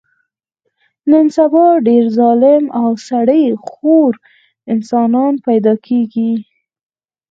نن سبا ډېر ظالم او سړي خور انسانان پیدا کېږي.